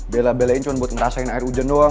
bela belain cuman buat ngerasain air hujan doang